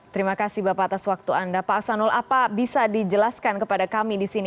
terima kasih bapak atas waktu anda pak aksanul apa bisa dijelaskan kepada kami di sini